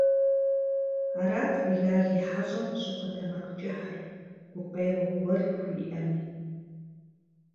Арат Билал и хьэщӀэм щӀыхуэтэмакъкӀыхьыр, гукъеуэ гуэр хуиӀэми.